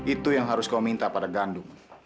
itu yang harus kau minta pada gandum